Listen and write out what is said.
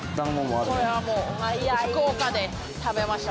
あっこれはもう福岡で食べました